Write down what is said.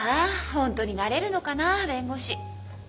本当になれるのかなあ弁護士。